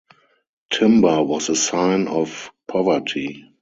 Timber was a sign of poverty.